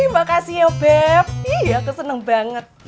makasih yow beb aku seneng banget